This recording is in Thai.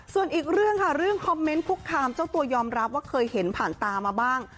ส่วนอีกเรื่องค่ะเรื่องคอมเมนต์คุกคามเจ้าตัวยอมรับว่าเคยเห็นผ่านตามาบ้าง